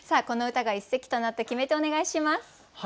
この歌が一席となった決め手をお願いします。